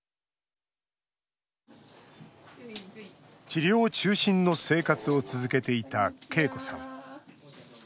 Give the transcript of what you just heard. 治療中心の生活を続けていた恵子さん。